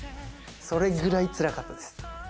それぐらいつらかったです。